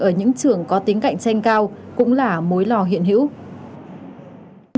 ở những trường có tính cạnh tranh cao cũng là mối lo hiện hữu